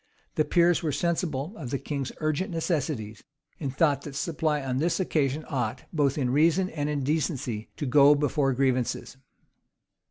The peers were sensible of the king's urgent necessities; and thought that supply on this occasion ought, both in reason and in decency, to go before grievances.